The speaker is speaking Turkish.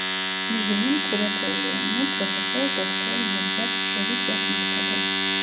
Müzenin Küratörlüğünü Profesör Doktor Nevzat Çevik yapmaktadır.